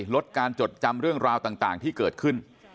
ลดการจดจำเรื่องราวต่างที่เกิดขึ้น